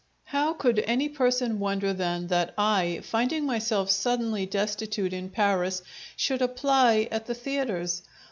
How could any person wonder, then, that I, finding myself suddenly destitute in Paris, should apply at the theatres?